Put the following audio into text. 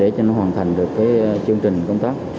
để cho nó hoàn thành được cái chương trình công tác